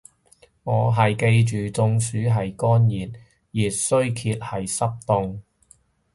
我係記住中暑係乾熱，熱衰竭係濕凍